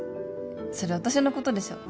それ私のことでしょ？